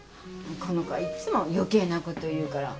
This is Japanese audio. この子はいっつも余計なこと言うから。